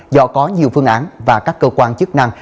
do có nhiều phương án và các cơ quan chức năng